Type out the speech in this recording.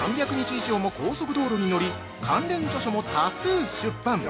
以上も高速道路に乗り、関連著書も多数出版！